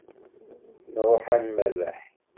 Nruḥ ad nmerreḥ.